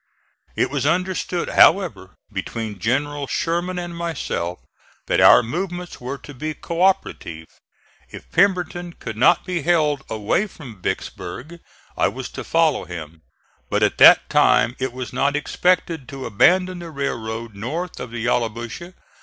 It was understood, however, between General Sherman and myself that our movements were to be co operative; if Pemberton could not be held away from Vicksburg I was to follow him; but at that time it was not expected to abandon the railroad north of the Yallabusha.